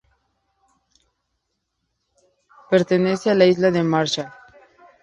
Pertenece a las Islas Marshall.